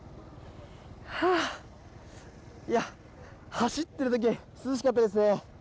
走っている時は涼しかったですね。